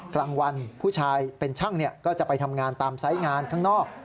กลางวันผู้ชายเป็นช่างก็จะไปทำงานตามไซส์งานข้างนอก